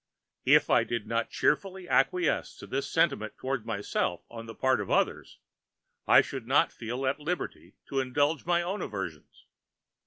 If I did not cheerfully acquiesce in this sentiment towards myself on the part of others, I should not feel at liberty to indulge my own aversions.